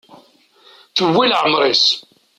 Tewwi leɛmer-is.